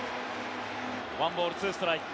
１ボール２ストライク。